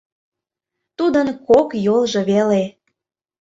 — Тудын кок йолжо веле!